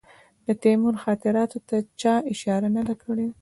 د تیمور خاطراتو ته چا اشاره نه ده کړې.